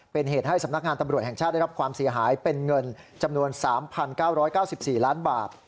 เป็นเหตุให้สำนักงานตำรวจแห่งชาติได้รับความเสียหายเป็นเงินจำนวน๓๙๙๔ล้านบาท